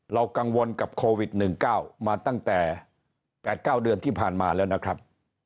กังวลกับโควิด๑๙มาตั้งแต่๘๙เดือนที่ผ่านมาแล้วนะครับ